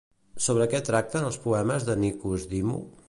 Sobre què tracten els poemes de Nikos Dimu?